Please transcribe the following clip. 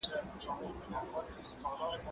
زه نان نه خورم؟